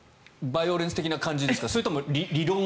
バイオレンス的な感じですか？